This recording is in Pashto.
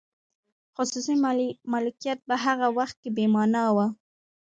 خصوصي مالکیت په هغه وخت کې بې مانا و.